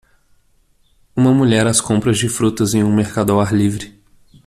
Uma mulher às compras de frutas em um mercado ao ar livre